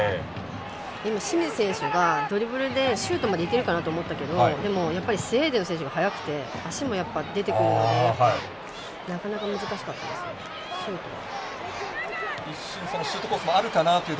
今、清水選手がドリブルでシュートまでいけるかなと思ったけどでも、やっぱりスウェーデンの選手が速くて足も出てくるのでなかなか難しかったですねシュートが。